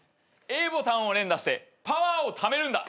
Ａボタンを連打してパワーをためるんだ。